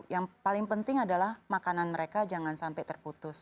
yang paling penting adalah makanan mereka jangan sampai terputus